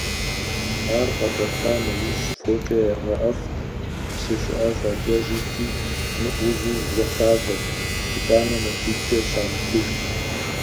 Ар къэкъуэлъа нэужь фокIэ ягъэIэфIт, псы щIыIэ щIакIэжырти, мыIуву зэхащIэрт, итIанэ махуитIкIэ щагъэтыжт.